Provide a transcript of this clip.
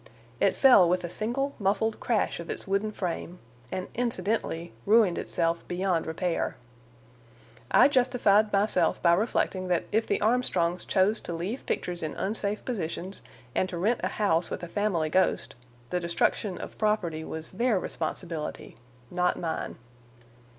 It fell with a single muffled crash of its wooden frame, and incidentally ruined itself beyond repair. I justified myself by reflecting that if the Armstrongs chose to leave pictures in unsafe positions, and to rent a house with a family ghost, the destruction of property was their responsibility, not mine.